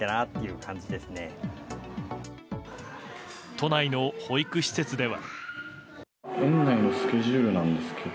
都内の保育施設では。